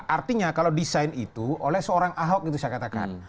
artinya kalau desain itu oleh seorang ahok itu saya katakan